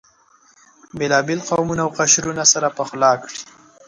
بېلابېل قومونه او قشرونه سره پخلا کړي.